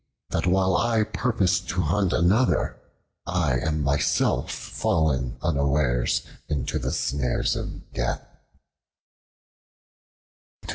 that while I purposed to hunt another, I am myself fallen unawares into the snares of death."